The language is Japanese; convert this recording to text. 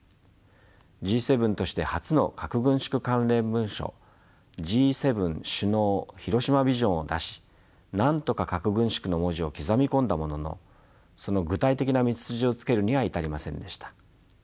Ｇ７として初の核軍縮関連文書「Ｇ７首脳広島ビジョン」を出しなんとか核軍縮の文字を刻み込んだもののその具体的な道筋をつけるには至りませんでした。